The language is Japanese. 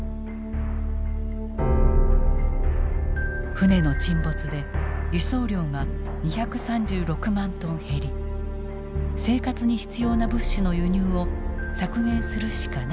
船の沈没で輸送量が２３６万トン減り生活に必要な物資の輸入を削減するしかなかった。